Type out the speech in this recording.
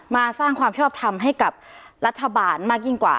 สร้างความชอบทำให้กับรัฐบาลมากยิ่งกว่า